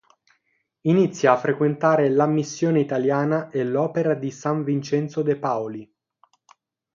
Inizia a frequentare la Missione Italiana e l'Opera di San Vincenzo De Paoli.